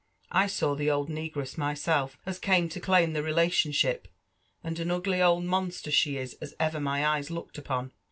I saw the old negress myself, as came to claim the relationship ; and an ugly old monster she is as ever my eyes looked upon.